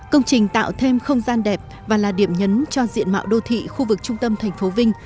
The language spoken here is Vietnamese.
công trình tạo thêm không gian đẹp và là điểm nhấn cho diện mạo đô thị khu vực trung tâm thành phố vinh